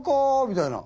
みたいな喉。